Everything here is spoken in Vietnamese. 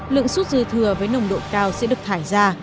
lượng suốt dư thừa với nồng độ cao sẽ được thải ra